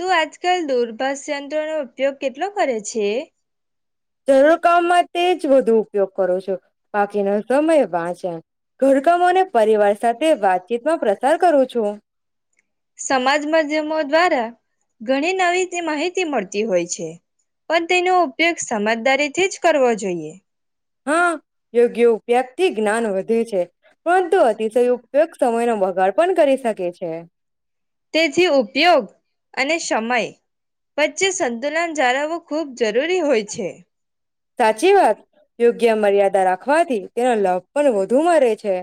તો આજકાલ દૂરભસ યંત્રો નો ઉપયોગ કેટલો કરે છે. જરૂર કામમાં તે જ વધુ ઉપયોગ કરો છો બાકીનો સમય વાંચે. વાતચીતમાં પ્રસાર કરું છું [inaudible] સમાજ માધ્યમો દ્વારા. ઘણી નવી તે માહિતી મળતી હોય છે પણ તેનો ઉપયોગ સમજદારીથી જ કરવો જોઈએ. હા યોગ્ય ઉપયોગ થી જ્ઞાન વધે. પરંતુ અતિશય ઉપયોગ સમયનો બગાડ પણ કરી શકે છે. તેથી ઉપયોગ. અને સમય વચ્ચે સંતુલન જાળવવું ખૂબ જરૂરી હોય છે. સાચી વાત યોગ્ય મર્યાદા રાખવાથી તેનો લભ પણ વધુ મરે છે.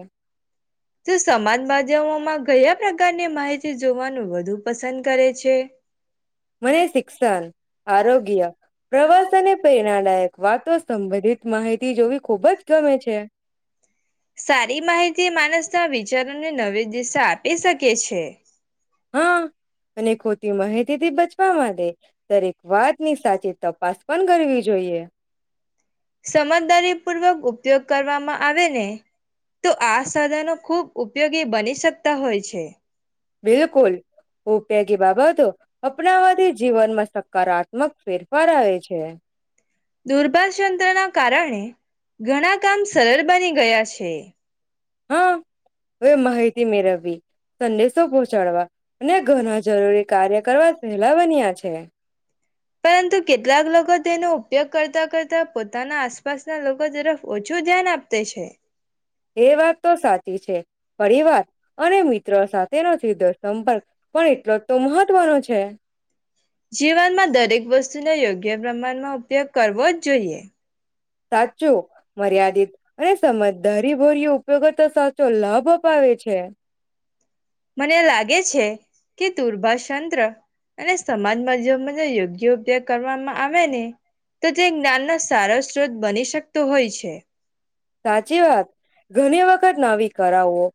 તો સમાજ માધ્યમોમાં ગયા પ્રકારની માહિતી જોવાનું વધુ પસંદ કરે છે. મને શિક્ષણ, આરોગ્ય, પ્રવાસ અને પ્રેરણાદાયક વાતો સંબંધિત માહિતી જોવી ખુબ જ ગમે છે. સારી માહિતી માણસના વિચારોને નવી દિશા આપી શકે છે. હા, અને ખોટી માહિતી થી બચ વા માટે દરેક વાતની સાચી તપાસ પણ કરવી જોઈએ. સમજદારી પૂર્વક ઉપયોગ કરવામાં આવે ને તો આ સાધનો ખુબ ઉપયોગી બની શકતા હોય છે. બિલકુલ. ઉપયોગી બાબતો. અપનાવાથી જીવનમાં. સકારાત્મક ફેરફાર આવે છે. દુર્ભાશયંત્ર ના કારણે ઘણા કામ સરળ બની ગયા છે. હા, હવે માહિતી મેળવવી, સંદેશો પહોંચાડવા અને ઘણા જરૂરી કાર્ય કરવા પહેલા બન્યા છે. પરંતુ કેટલાક લોકો તેનો ઉપયોગ કરતા કરતા પોતાના આસપાસના લોકો તરફ ઓછું ધ્યાન આપે છે. એ વાત તો સાચી છે, પરિવાર અને મિત્રો સાથેનો સીધો સંપર્ક પણ એટલો તો મહત્વનો છે. જીવનમાં દરેક વસ્તુનો યોગ્ય પ્રમાણમાં ઉપયોગ કરવો જ જોઈએ. સાચો, મર્યાદિત અને સમજદારી ભર્યો. ઉપયોગોતો સાચો લાભ અપાવે છે. મને લાગે છે કે દુર્ભાષંત્ર અને સમાજમાં જે યોગ્ય ઉપયોગ કરવામાં આવે ને તો તે જ્ઞાનનો સારો સ્ત્રોત બની શકતો હોય છે. સાચી વાત ઘણી વખત નવી કળાઓ,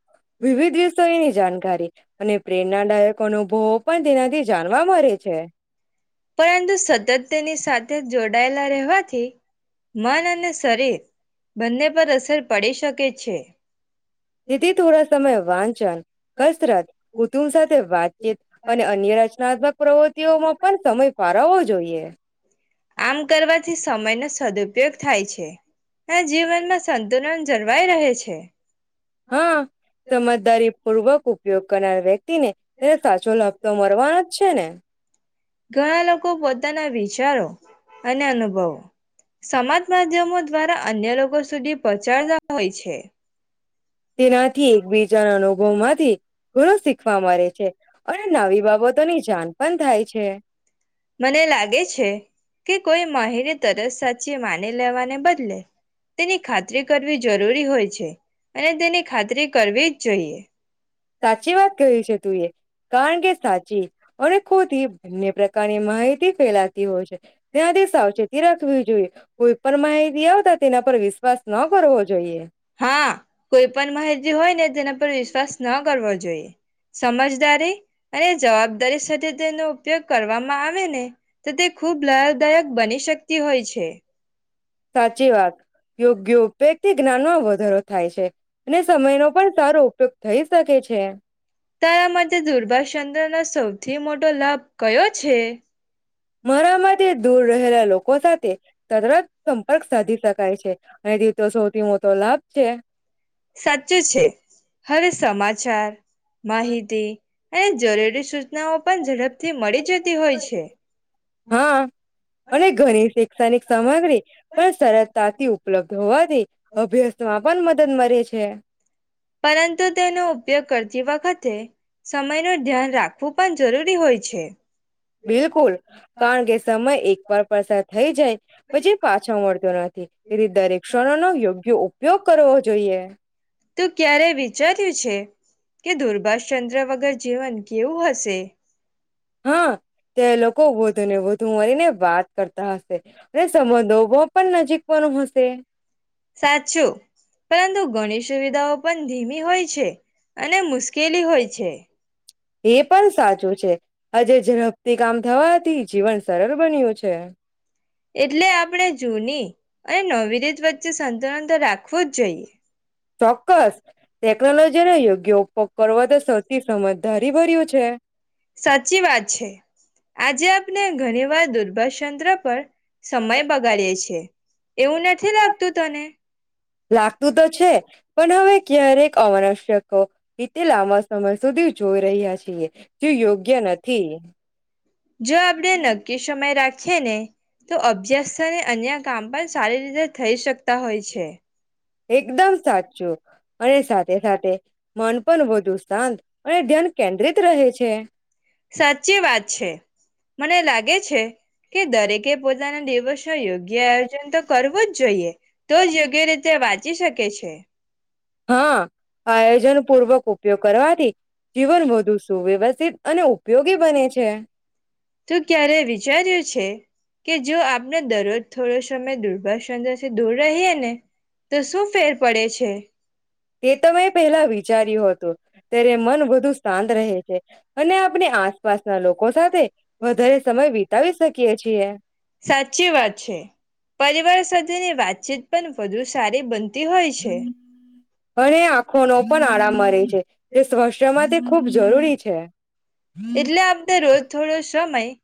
વિવિધ વિષયની જાણકારી. જાણકારી અને પ્રેરણાદાયક અનુભવ પણ તેનાથી જાણવા મળે છે. પરંતુ સતત તેની સાથે જોડાયેલા રહેવાથી મન અને શરીર બંને પર અસર પડી શકે છે. તેથી થોડા સમય વાંચન, કસરત, કુટુંબ સાથે વાતચીત અને અન્ય રચનાત્મક પ્રવૃત્તિઓમાં પણ સમય વારવો જોઈએ. એ. આમ કરવાથી સમયનો સદુપયોગ થાય છે, અને જીવનમાં સંતુલન જળવાઈ રહે છે. હા, સમજદારીપૂર્વક ઉપયોગ કરનાર વ્યક્તિને તેને સાચો લાભતો મળવાનો જ છે ને? ઘણા લોકો પોતાના વિચારો અને અનુભવો સમાજમાધ્યમો દ્વારા અન્ય લોકો સુ સુધી પહોંચાડતા હોય છે. તેનાથી એકબીજાના અનુભવ માંથી ઘણું શીખવા મળે છે અને નવી બાબતોની જાણ પણ થાય છે. મને લાગે છે. કે કોઈ માહિતી તરત સાચી માની લેવાને બદલે તેની ખાતરી કરવી જરૂરી હોય છે અને તેની ખાતરી કરવી જ જોઈએ. સાચી વાત ક છે તું એ કારણ કે સાચી અને ખુ થી બંને પ્રકારની. માહિતી ફેલાતી હોય છે ત્યાંથી સાવચેતી રાખવી જોઈએ કોઈ પણ માહિતી આવતા તેના પર વિશ્વાસ ન કરવો જોઈએ. હા કોઈ પણ માહિતી હોય ને તેના પર વિશ્વાસ ન કરવો જોઈએ સમજદારી અને જવાબદારી સાથે તેનો ઉપયોગ કરવામાં આવે ને તો તે ખૂબ લાભદાયક બની શકતી હોય છે. સાચી વાત યોગ્યેથી જ્ઞાનમાં વધારો. થાય છે. અને સમયનો પણ સારો ઉપયોગ થઈ શકે છે. તારા માટે દુર્ભાચંદ્રનોો સૌથી મોટો લાભ કયો છે. મારામાં તે દૂર રહેલા લોકો સાથે તદત સંપર્ક સાધી શકાય છે અને તે તો સૌથી મોટો લાભ છે. સાચું છે હવે સમાચાર. માહિતી અને જરૂરી સૂચનાઓ પણ ઝડપથી મળી જતી હોય છે. હા અને ઘણી શૈક્ષણિક સામગ્રી પણ અભ્યાસ માં પણ મદદ મળે છે. પરંતુ તેનો ઉપયોગ કરતી વખતે. સમય ન ધ્યાન રાખવું પણ જરૂરી હોય છે. બિલકુલ કારણ કે સમય એક. પરપરસાર થઈ જાય. પછી પાછા મળતો નથી. એથી દરેક ક્ષણો નો યોગ્ય ઉપયોગ કરવો જોઈએ. તું ક્યારે વિચાર્યું છે કે દુર્ભાષચંદ્ર વગર જીવન કેવું હશે. હા. તે લોકો વધુ ને વધુ મારી ને વાત. કરતા હશે સંંધોભો પણ નજીક વાનું હશે. સાચું પરંતુ ગણી સુવિધાઓ પણ ધીમી હોય. છે. અને મુશ્કેલી હોય છે એ પણ સાચું છે હજે ઝડપથી કામ થવાથી જીવન સરળ બન્યું છે. એટલે આપણે જૂની અને નવીરીત વચ્ચે સંતુલન તો રાખવું જ જોઈએ. ચોક્કસ ટેકનોલોજીનો યોગ્ય ઉપયોગ કરવા તો સૌથી સમજદારી ભર્યું છે. છે. સાચી વાત છે આજે આપ. ઘણી વાર દુર્ભંત્ર પર સમય બગાડીએે છે એવું નથી લાગતું તને. અમાનસ્યકો. એતે લાબા સમય. સુધી જોઈ રહ્યા છીએ. જો યોગ્ય નથી. જો આપણે નક્કી શમય રાખીએ ને તો અભ્યાસરે અન્ય કામ પણ સારી રીતે થઈ શકતા હોય છે. એકદમ સાચું અને સાથે સાથે મન પણ વધુ શાંત અને ધ્યાન કેન્દ્રિત રહે. છે. સાચી વાત છે. મને લાગે છે. કે દરેકે પોતાના દિવશો યોગ્ય આયોજન તો કરવું જ જોઈએ તો જ યોગ્ય રીતે વા ચી શકે છે. હા આયોજન પૂર્વક ઉપયોગ કરવાથી જીવન વધુ સુવ્યવસ્થિત અને ઉપયોગી બને છે. તું ક્યારે વિચાર્યું છે કે જો આપણે દરરોજ થોડો સમય દુર્ભાષ યંત્રથી દૂર રહીએ ને તો શું ફેર પડે છે? તેતો મેં પહેલા વિચાર્યું હતું ત્યારે મન વધુ શાંત રહે છે અને આપણે આસપાસના લોકો સાથે વધારે સમય વિતાવી શકીએ છીએ. [inaudible] તેની વાતચીત પણ વધુ સારી બન અને આંખોનો પણ આરામ મળે છે જે સ્વા માટે ખૂબ જરૂરી છે. એટલે આમ તો રોજ થોડો સમય [inaudible]